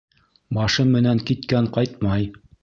Башы менән киткән ҡайтмай.